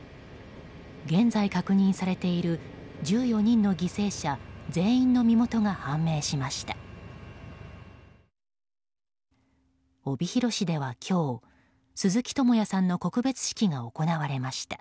現在確認されている１４人の犠牲者、全員の身元が判明しました。